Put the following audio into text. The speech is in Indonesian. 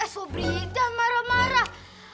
eh sobri jangan marah marah